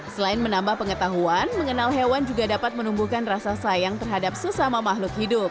selain menambah pengetahuan mengenal hewan juga dapat menumbuhkan rasa sayang terhadap sesama makhluk hidup